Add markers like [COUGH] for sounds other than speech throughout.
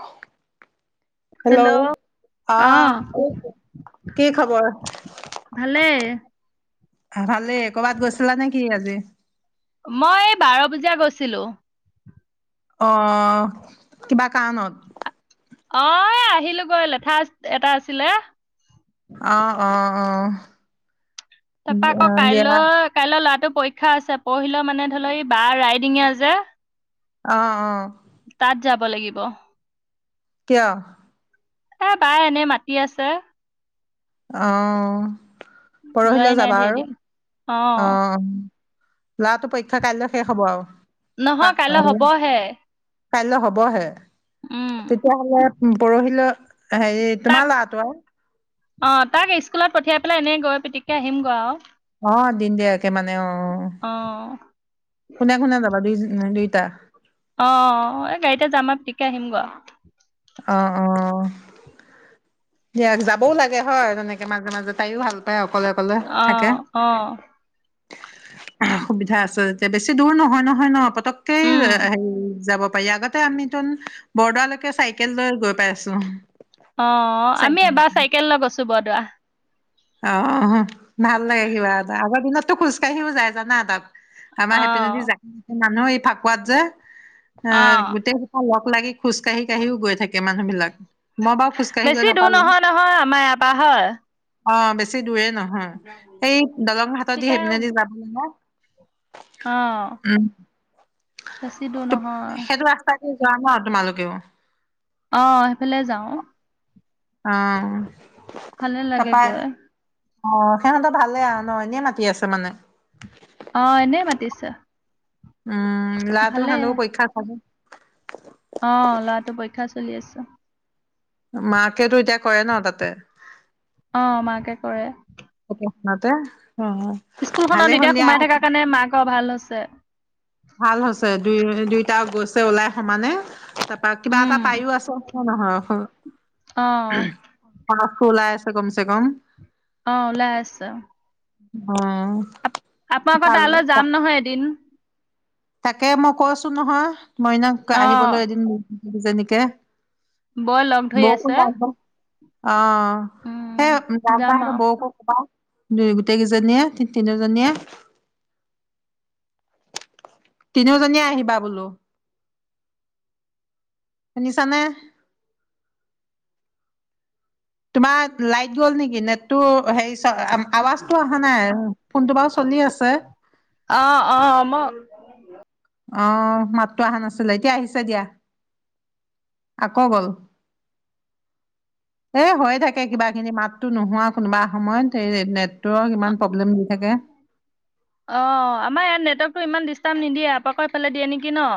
অ' hello অ আহ [UNINTELLIGIBLE] কি খবৰ? ভালেই ভালেই। কবাত গৈছিলা নেকি আজি? মই বাৰ বজিয়া গৈছিলো। আহ কিবা কৰণত অ এ আহিলো গৈ লেঠা এটা আছিলে। আহ অ' অ' তাৰপাৰ আকৌ অ দিয়া কাইলৈ কাইলৈ ল'ৰাটোক পৰীক্ষা আছে, পঢ়িল মানে ধৰি লও এই বা ৰাইডিঙীয়া যে অ' অ' তাত যাব লাগিব। কিয়? এই বাই এনে মাটি আছে। আহ যোৱাই পৰহিলে নাই যাবা ধেৰ আৰু দিন অ। আহ লৰা তো পৰীক্ষা কাইলৈ শেষ হব আও নহয় কাইলৈ হবহে কাইলৈ হবহে উম তেতিয়াহ'লে পৰহিলৈ হেৰি তাক তোমাৰ ল'ৰাটোৱে অ' তাক স্কুলত পঠিয়াই পেলাই এনেই গৈ পিতিকে আহিম গৈ আৰু অ' দিন দিয়াকে মানে অ' অ' কোনে কোনে যাবা দুইজনী নে দুইটা? অ এই গাড়ীতে যাম আও পিতিকে আহিম গ অ অ। দিয়ক যাবও লাগে হয় তেনেকে মাজে মাজে তাইও ভাল পায় অক অকলে অকলে থাকে অ অ সুবিধা আছে তে বেছি দূৰ নহয় নহয় ন পতকে উম। হেৰি যাব পাৰি আগতে আমি তোন বৰ্দাৰলৈকে চাইকেল লৈ গৈ পাইছোঁ। অ আমি এবাৰ চাইকেল লৈ গৈছো বৰদোৱা অ অ ভাল লাগে কিবা এটা আগৰ দিনততো খোজকাঢ়িও যায় জানা তাক আমাৰ সেপেনে অ', জাক মানুহ এই ফাকুৱাত যে অ গোটেইখোপা লগলাগি খোজ কাঢ়ি কাঢ়িও গৈ থাক মানুহ বিলাক মই বাও খোজকাঢ়ি গৈ বেছি দূৰ নাপালো নহয় নহয় আমাৰ ইয়াৰ পৰা হয়। অ বেছি দূৰে নহয় সেই দলং হাটত দি পিতাইও সেইপনেদি যাব লাগে। অ', উম বছি দূৰ নহয়। সেইটো ৰাস্তা যোৱা ন তোমালোকেও অহ সেইফালে যাও আহ ভালে লাগে তাপায় গৈ। অ সিহঁতৰ ভালে আৰু ন এনেই মাতি আছে মানে। অ', এনেই মাতিছে উম ল'ৰাটো ভালে। হোনো পৰীক্ষা [UNINTELLIGIBLE] অ ল'ৰাটো পৰীক্ষা চলি আছে। মাকেতো এতিয়া কৰে ন তাতে। অ মাকে কৰে। মতে স্কুলখনত এতিয়া সোমাই থকাৰ কাৰণে মাকৰ ভাল হৈছে। ভাল হৈছে দুই দুইটা গৈছে ওলাই সমানে তাৰপা কিবা এটা উম, পায়ো আছে। হ হ হ। অ'। খোলাই আছে কমছে কম অ ওলাই আছা। উম। আপোনা লোকৰ তালৈ যাম নহয় এদিন। তাকে মই কৈছো নহয় মইনাক অ', আহিবলৈ এদিন যেনেকে বৌয়ে লগ ধৰি আছে। [UNINTELLIGIBLE] অ উম, সেই জান যাম দাহতৰ আৰু। বৌকো কবা দুই গোটেই কেইজনীয়ে তি তিনোজনীয়ে। তিনিওজনীয়ে আহিবা বোলো। এ শুনিছানে? তোমাৰ লাইট গ'ল নেকি নেটটো হেৰি আৱাজটো অহা নাই ফোনটো বাৰু। চলি আছে অ অ ম অহ মাততো অহা নাছিলে এতিয়া আহিছে দিয়া আকৌ গল এ হৈ থাকে কিবা কিবি মাতো নোহোৱা কোনোবা সময়ত এই নেট ইমান প্ৰব্লেম।। দি থাকে অ আমাৰ ইয়াত নেটৱৰ্কতটো ইমান দিচ দিচটাপ নিদিয়ে আপোনালোকৰ সেইফালে দিয়ে নেকি ন?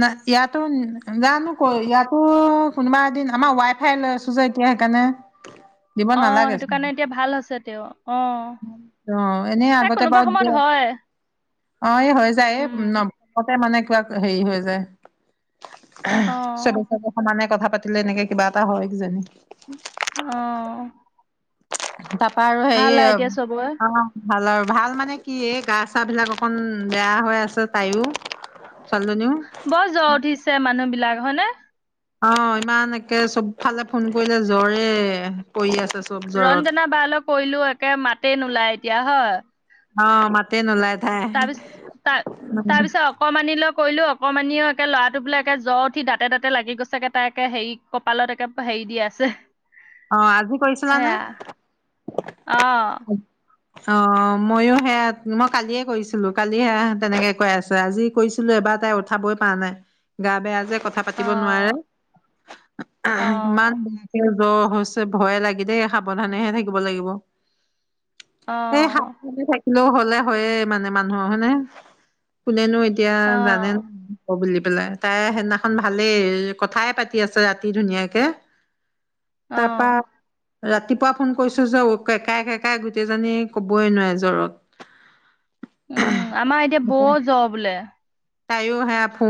ন ইয়াতো জানো ক ইয়াতো কোনোবা এদিন আমাৰ ৱাই ফাই লৈছো যে সেয়া সেইকাৰণে দিব আহ নালাগে সেইটো চোন কাৰণে এতিয়া ভাল আ হৈছে তেওঁ অ'। অ এনেই এই আগতে কোনোবা বাৰু সময়ত দিয়ে হয় অ এই হৈ যায় উম নমতে মানে কিবা হেৰি হৈ যায় অ চবেই [UNINTELLIGIBLE] সমানে কথা পাতিলে এনেকে কিবা এটা হয় কিজানি অ তাৰপা আৰু ভাল হেৰি এতিয়া চবৰে অ। ভাল আৰু ভাল মানে কি এই গা চা বিলাক অকন বেয়া হৈ আছে তাইও। বৰ জ্বৰ উঠিছে মানুহ বিলাক হয়নে? অ ইমান একে চব ফালে ফোন কৰিলে জ্বৰে পৰি আছে। চব জ্বৰত। ৰঞ্জনা বা লৈ কৰিলো একে মাতে নোলায় এতিয়া হয়। অ মাতে নোলায়। তাৰপিছ তাৰ তাৰপিছত অকণমানি লৈ কৰিলো অকমানি একে লৰাটো বোলে একে জ্বৰ উঠিাতে দাতে লাগি গৈছেগে তাই একে হেৰি কপালত একে হেৰি। দি দি আছে। অ আজি কৰিছিলাানে সেয়া অ অ মইয়ো সেয়া মই কালিয়ে কৰিছিলো কালি সেয়া তেনেকে কৈ আছে আজি কৰিছিলো এবাৰ তাই উঠাবই পোৱা নাই গা বেয়া যে কথা পাতিব অ নোৱাৰে ইমান অ', বেয়াকে জ্বৰ হৈছে ভয়ে লাগে দেই সাৱধানেহে থাকিব লাগিব। এই অ', সাৱধানে থাকিলেও হলে হয়ে মানে মানুহৰ হানে কোনেনো এতিয়া জানে ন অ', [UNINTELLIGIBLE] বুলি। বোলে তাইৰ সেইদিনাখন ভালেই কথাই পাতি আছে ৰাতি ধুনীয়াকে। তাৰপা আহ ৰাতিপুৱা ফোন কৰিছো যে কেকাই কেকাই গোটেই জী কবই নোৱাৰে জ্বৰত উম আমাৰ এতিয়া বৰ জ বোলে তাইও সেয়া ফু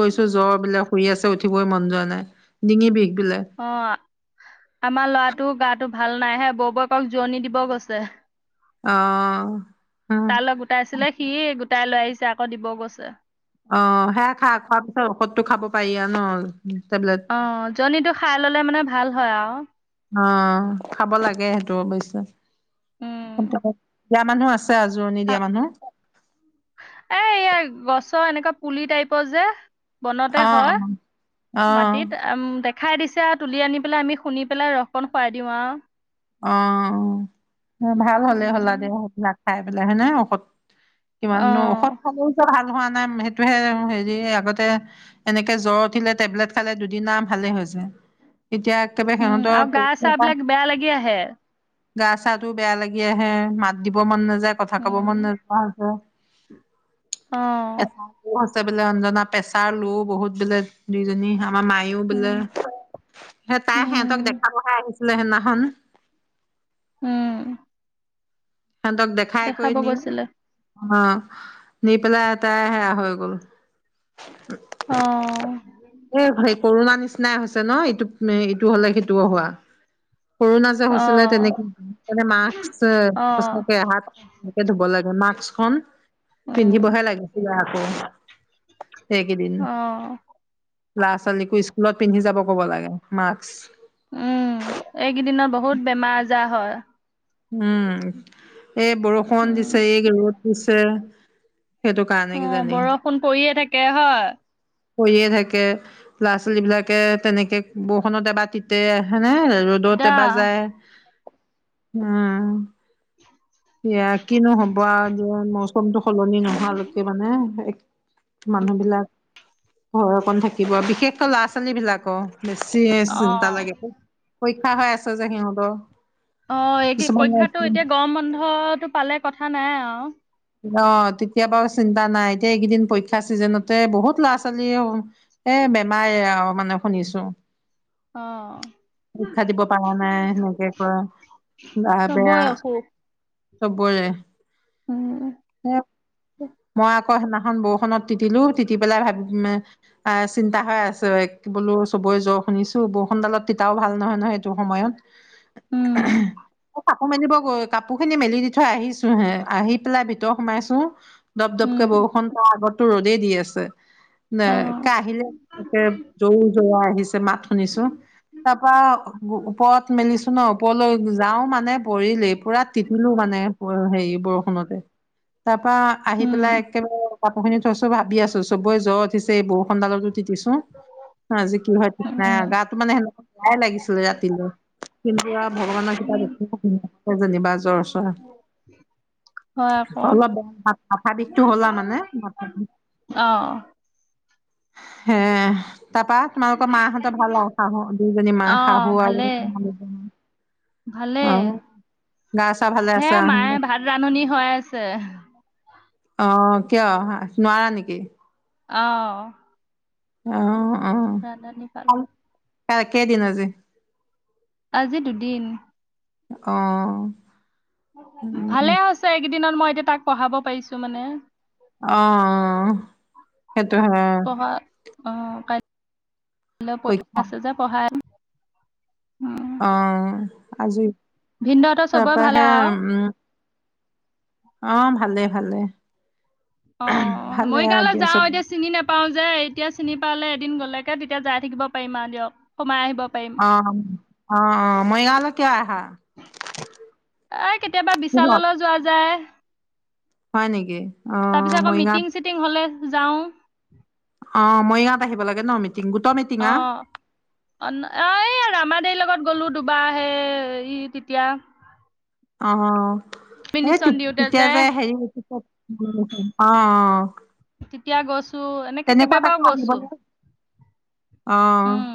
গৈছো জ্বৰ বিিলাক শুই আছে উঠিবই মন যোৱা নাই ডিঙি বি অ আমাৰ ল'ৰাটো গাো ভাল নাই হে বৌ বৌকক জোৰণি দিব গৈছে অ তাৰ লগ গোটাই আছিলে সি গোটাই লৈ আহিছে আকৌ দিবও গৈছে। অ', সেয়া খা খোৱাৰ পিছত ঔষধো খাব পাৰি আৰু ন। টেবলেট অ জনীটো খাই ললে মানে ভাল হয় আৰু অ খাব লাগে সেইটো অৱশ্্যে উম। বিিয় মানুহ আছে আজৰণি দিয়া মানুহ এয়া, গছৰ এনেকুৱা পুলি টাইপৰ যে। বনতে অ হয় অ অ মাটিত আ দে খাই দিছে আৰু তুলি আনি পেলাই আমি শুনি পেলাই ৰসকণ খুৱাই দিওঁ আৰু অ', ভাল হ'লে হ'লা উম, দে সেইবিলাক খাই পেলাই হয়নে ঔষধ। কিমান নো অ', ঔষধ খালেও ভাল হোৱা নাই সেইটোহে হেৰি আগতে এনেকে জ্বৰ উঠিলে টেবলেট খালে দুদিনা ভালে হৈ হৈছে [UNINTELLIGIBLE] এতিয়া একেবাৰে উম, সিহঁতৰ আৰু গা চা বিলাক [UNINTELLIGIBLE] বেয়া লাগি আহে। গা চাো বেয়া লাগি আহে মাত দিব মন নাযায় কথা কব মন উম নায যে অ পেচাৰ আছে বোলে অঞ্জনা পেছাৰ লো বহুত বোলে দুইজনী আমাৰ মায়ও বোলে উম সেই তাই সিহঁতক উম দেখা পহাই আহিছিলে সিদিনাখন উম। সিহতক দেখাই একৈ দেখাব নি অ গৈছিলে নি পেলাই এটাই সেয়া হৈ গল অ এ [UNINTELLIGIBLE] কৰোনাৰ নিচিনা নাই হৈছে ন এইটো এইটো হলে সেইটোও হোৱা কৰৰুণা যে অ হৈছিলে তেনেকেে মাস্ অ সচাকে হাতে ধুব লাগে মাস্কখনন উম পিন্ধিবহে লাগিছিলে আকৌ সেইকেইদিন অ ল'ৰা ছোৱালীকো স্কুলত পিন্ধি যাব কব লাগে। মাস্ক উম এইকেইদিনত বহুত বেমাৰ আজাৰ হয় উম এই বৰষুণ উম দিছে এইদ দিছে সেইটো কাৰণে অ কিজানি বৰষুণ পৰিয়ে থাকে হয় কৰিয়ে থাকে ল'ৰা ছোৱালী বিলাকে তেনেকে বৰষুনত এবাৰ তিতেে নে দা ৰ'দতে বা যায় উম এয়া কিনো হব আৰু যে মৌচমতটো সলনি নোহালৈকে মানে মানুহ বিলাক ঘৰ অকন থাকিব বিশেষকৈ ল'ৰা ছোৱালী বিলাকৰ বেছি অ চিন্তা লাগে পৰীক্ষা হৈ আছে যে সিহঁতৰ অ' এই কিছুমান ল'ৰা পৰীক্ষাটো ছোৱালী এতিয়া গৰম বন্ধটো পালে কথা নাই আৰু। অ তেতিয়া বাৰু চিন্তা নাই এতিয়া এইকেইদিন পৰীক্ষা চিজনতে বহুত ল'ৰা ছোৱালী এ বেমাৰে মানে শুনিছো অ শিক্ষা দিব পাৰ নাই সেনেকে ক বাহ বেয়া চবৰে অসুখ চবৰে উম মই আকৌ সেইদিনাখন বৰষুনত তিতিলো তিতি পেলাই ভাবি চিন্তা হৈ আছে বোলো চব গৈ জ্বৰ শুনিছো বৰষুণডালত তিতাও ভাল নহয় নহয় এইটো সময়ত। উম মেলিব গৈ কাপোৰ খিনি মেলি দি থৈ আহিছো হে আহি পেলাই ভিতৰ সোমাইছো দপ দপকে উম বৰষুণ আগততো ৰ'দেই দি আছে। ন অ ক আহিলে তে জৌ জৰা আহি মাত শুনিছো তাৰ পৰা ওপৰত মেলিছো ন ওপৰলৈ যাও মানে। পৰিলেই পুৰা তিতিলো মানে হেৰি বৰষুণতে। তাৰ আহি উম পেলাই একেবাৰে কাপোৰ খিনি থৈছো ভাবি আছো চবে জ্বৰ উঠিছে এইবোৰ [UNINTELLIGIBLE] আজি কি নহয় ঠিক নাই উম গাটো মানে সেনেকুৱা বেয়াই লাগিছিলে ৰাতিলৈ কিন্তু আৰু ভগৱানৰ ক [UNINTELLIGIBLE] যেনিবা জ্বৰ চৰ হয় আকৌ অলপ বেয়া মাথা বিষটো হলা মানে [UNINTELLIGIBLE] অ হে তাৰপা তোমালোকৰ মাহঁতৰ ভাল আৰু শাহু দুইজনী অ মাহ শাহু ভালে আৰু ভালে অ গা চা ভালে হে আছে মায়ে ভাত ৰান্ধনি হয় আছে। আছে। অহ কিয় নোৱাৰা নেকি? অহ, অ', ৰান্ধনী অ পালোঁ। কেইদিন আজি? আজি দুদিন। অহ, ভালে হৈছে এইকেইদিনত মই এতিয়া তাক পঢ়াব পাৰিছো মানে। অহ সেইটো হয়। পঢ়া অ কাইলে পৰীক্ষা আছে যে পঢ়াই আছোঁ। অহ আজি তাৰ চবৰে পৰা ভালে হে আৰু উম, অ ভালে ভালে। অ ভালে মই আৰু কাললৈ যাও দিয়াচোন এতিয়া চিনি নেপাও যে এতিয়া চিনি পালে দিন গলেকে তেতিয়া যাই থাকিব পাৰিম আৰু দিয়ক সোমাই আহিব। পাৰিম আহ আহ মৰিগাঁও লে কিয় আহা? এ কেতিয়াবা কিহত বিশাললৈ যোৱা যায়। হয় নেকি। অ তাৰ পিছত আকৌ মৰিগাঁৱত মিটিং চিটিং হলে যাওঁ। অ মৰিগাঁৱত আহিব লাগে ন মিটিং গোটৰ মিটিং অ আ অ অ এই আৰু আমাৰ দেৰ লগত গলো দুবাৰ আহে ই তেতিয়া অ। এই মিনিচন দিওঁতে তেতিয়া যে হেৰি অ অ। তেতিয়া গৈ তেনেকুৱা তাকে আহিবলৈ অ উম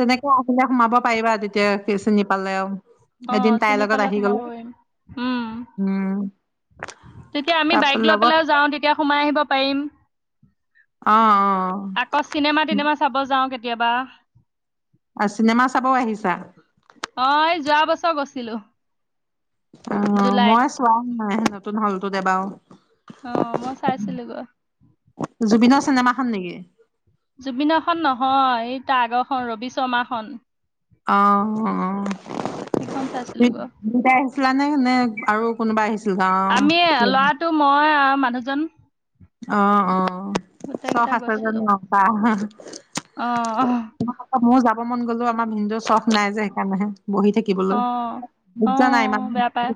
তেনেকে আহিলে সোমাব পাৰিবা তেতিয়া চিনি পালে আৰু এদিন অ' তাইৰ চিনি লগত পালে আহি গলো সোমাব পাৰিম উম। তেতিয়া আমি তাৰ বাইক লৈ লগত পেলাইও যাওঁ তেতিয়া সোমাই আহিব পাৰিম। অ-অ, আকৌ চিনেমা তিনেমা চাব যাওঁ কেতিয়াবা। অ অ চিনেমা চাবও আহিছা যোৱা বছৰ গৈছিলো। অ জুলাইত মই চোৱা নাই নতুন হলতো এবাৰো। অ মই চাইছিলোগৈ জুবিনৰ চিনেমা খন নেকি? জুবিনৰ খন নহয় ই তাৰ আগৰখন ৰবি শৰ্মাখন। আহ। সেইখন চাইছিলোগৈ দুইটাই আহিছিলা নে? নে আৰু কোনোবা আহিছিল আমি গাঁৱৰ? ল'ৰাটো মই আৰু মানুহজন অ'! অ'! গোটেই চখ কেইটা আছে যে গৈছিলো নচা। অ [UNINTELLIGIBLE] মোৰ যাব মন গ'লেও আমাৰ ভিনিদেউৰ চখ নাই যে সেইকাৰণেহে। বহি থাকিবলৈ অ', [UNINTELLIGIBLE] নাই ইমান। অ', বেয়া পায়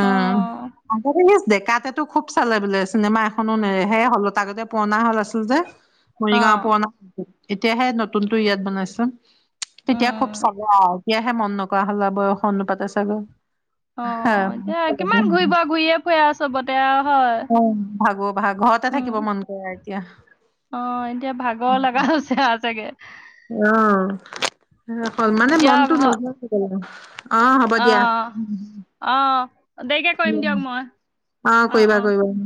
অ'! [UNINTELLIGIBLE] ডেকাতেটো খুব চালে বোলে চিনেমা এখনো নেৰে। সে হল আগতে পুৰণা হল আছিল যে। মৰিগাঁও অ', পূৰণা,। এতিয়াহে, নতুনতো ইয়াত বনাইছে। তেতিয়া খুব উম, চালো আৰু এতিয়াহে মন নকৰা হ'ল বয়সৰ অনুপাতে চাগৈ অ'! এতিয়া কিমান ঘূৰিব, ঘূৰিয়ে ফুৰি আও চবতে। হয়, অ'! ভাগো ভাগ ঘৰতে উম, থাকিব মন কৰে এতিয়া। অ'! এতিয়া, ভাগৰ লগা হৈছে চাগে। অ'! মানে, দিয়ক মনতো হ নোজোৱা হৈ গ'ল। অ'! হ'ব দিয়া। অ', অ', দেৰিকে কৰিম দিয়ক মই অহ অ', কৰিবা অ'। কৰিব